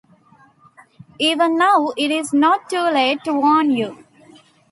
Even now it is not too late to warn you.